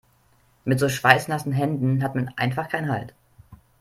Mit so schweißnassen Händen hat man einfach keinen Halt.